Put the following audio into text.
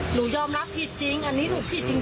หนูยอมรับผิดจริงอันนี้หนูผิดจริง